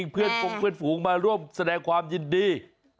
เพื่อนฝูงมาร่วมแสดงความยินดี